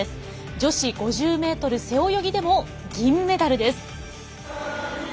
女子５０ｍ背泳ぎでも銀メダルです。